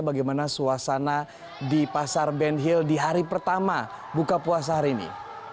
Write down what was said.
bagaimana suasana di pasar ben hill di hari pertama buka puasa hari ini